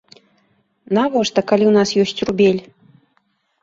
Навошта, калі ў нас ёсць рубель?